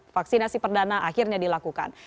vaksinasi perdana akhirnya dilakukan